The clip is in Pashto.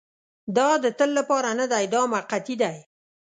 دا د تل لپاره نه دی دا موقتي دی.